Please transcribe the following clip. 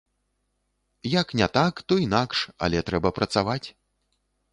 Як не так, то інакш, але трэба працаваць.